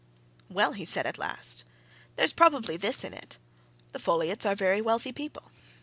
"Well," he said at last, "there's probably this in it the Folliots are very wealthy people.